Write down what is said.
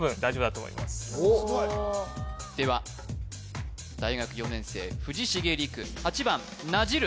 すごいでは大学４年生藤重吏玖８番なじる